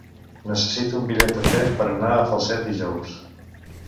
Necessito un bitllet de tren per anar a Falset dijous.